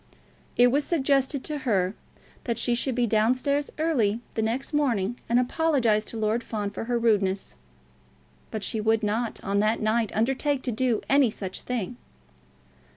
It was suggested to her that she should be down stairs early the next morning, and apologise to Lord Fawn for her rudeness; but she would not, on that night, undertake to do any such thing.